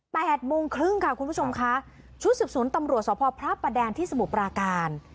โมงครึ่งค่ะคุณผู้ชมค่ะชุดสืบสวนตำรวจสพพระประแดงที่สมุทรปราการ